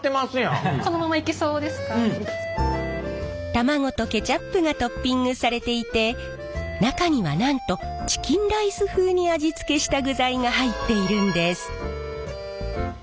卵とケチャップがトッピングされていて中にはなんとチキンライス風に味付けした具材が入っているんです。